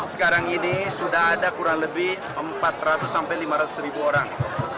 sekarang ini sudah ada kurang lebih empat ratus sampai lima ratus ribu orang